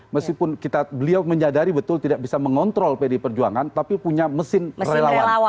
meskipun beliau menyadari betul tidak bisa mengontrol pdi perjuangan tapi punya mesin relawan